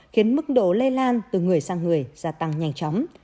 khiến mức độ lây lan từ người sang người gia tăng nhanh chóng